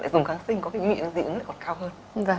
dùng kháng sinh có cái nguyện dị ứng còn cao hơn